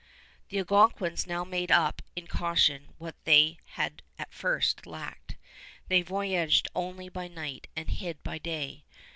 The Algonquins now made up in caution what they had at first lacked. They voyaged only by night and hid by day.